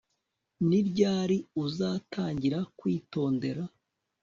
Ni ryari uzatangira kwitondera